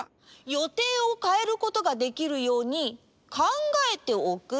予定をかえることができるように考えておく？